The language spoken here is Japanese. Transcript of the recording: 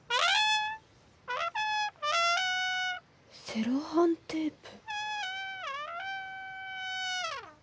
セロハンテープ？